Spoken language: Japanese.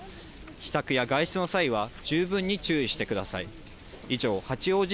帰宅や外出の際は、十分に注意してください。